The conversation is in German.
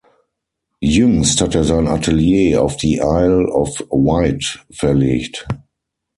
Jüngst hat er sein Atelier auf die Isle of Wight verlegt.